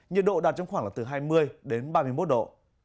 nhiệt độ đạt trong khoảng là từ hai mươi đến ba mươi một độ